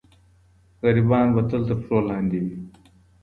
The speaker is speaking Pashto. غریبان به تل تر پښو لاندې وي.